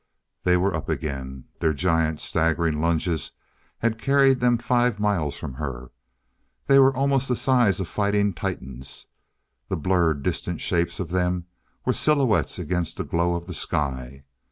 They were up again. Their giant staggering lunges had carried them five miles from her. They were almost the size of fighting titans. The blurred distant shapes of them were silhouettes against the glow of the sky.